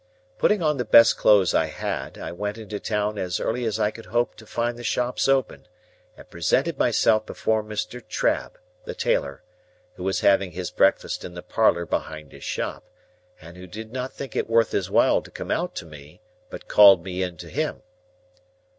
Putting on the best clothes I had, I went into town as early as I could hope to find the shops open, and presented myself before Mr. Trabb, the tailor, who was having his breakfast in the parlour behind his shop, and who did not think it worth his while to come out to me, but called me in to him.